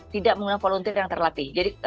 tidak menggunakan volunteer yang terlatih